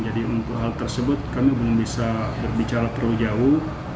jadi untuk hal tersebut kami belum bisa berbicara terlalu jauh